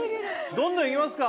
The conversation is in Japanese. どんどんいきますか？